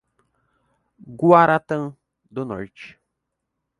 Guarantã do Norte